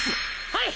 はい！！